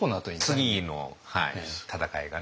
次の戦いがね。